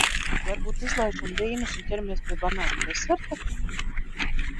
Varbūt izlaižam vīnus un ķeramies pie banānu deserta?